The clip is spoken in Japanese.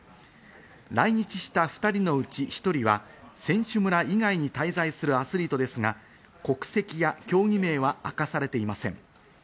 来日した２人のうち１人は選手村以外に滞在するアスリートですが、国籍や競技名は明かされていません。